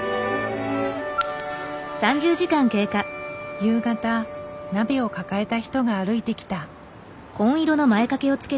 夕方鍋を抱えた人が歩いてきた。